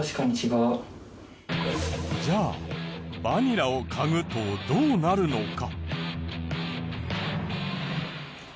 じゃあバニラを嗅ぐとどうなるのか？